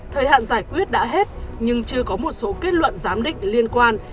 thời hạn giải quyết đã hết nhưng chưa có một số kết luận giám định liên quan